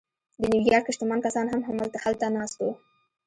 د نیویارک شتمن کسان هم هلته ناست وو